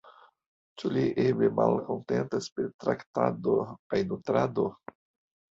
Ĉu li eble malkontentas pri traktado kaj nutrado?